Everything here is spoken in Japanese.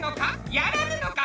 やらぬのか？